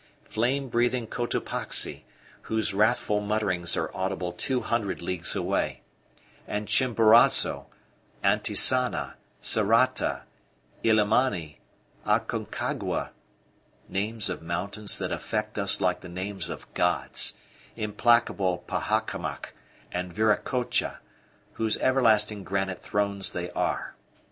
Flame breathing Cotopaxi, whose wrathful mutterings are audible two hundred leagues away, and Chimborazo, Antisana, Sarata, Illimani, Aconcagua names of mountains that affect us like the names of gods, implacable Pachacamac and Viracocha, whose everlasting granite thrones they are.